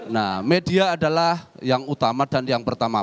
nah media adalah yang utama dan yang pertama